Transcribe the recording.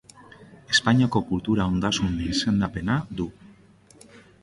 Espainiako Kultura ondasun izendapena du.